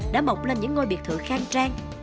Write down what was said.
đã mọc lên những ngôi biệt thự khang trang